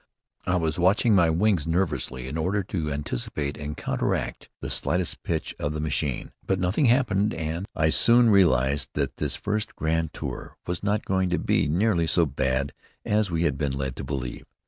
I was watching my wings, nervously, in order to anticipate and counteract the slightest pitch of the machine. But nothing happened, and I soon realized that this first grand tour was not going to be nearly so bad as we had been led to believe.